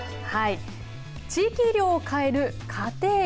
地域医療を変える家庭医。